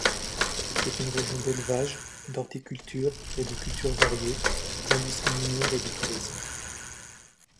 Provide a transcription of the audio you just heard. C'est une région d'élevage, d'horticulture et de cultures variées, d'industrie minière et de tourisme.